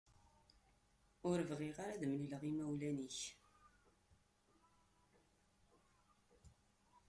Ur bɣiɣ ara ad mlileɣ imawlan-ik.